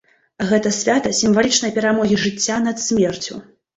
Гэта свята сімвалічнай перамогі жыцця над смерцю.